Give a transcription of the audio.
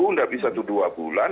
tidak bisa itu dua bulan